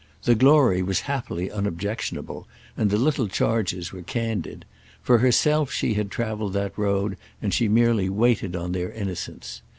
The glory was happily unobjectionable, and the little charges were candid; for herself she had travelled that road and she merely waited on their innocence.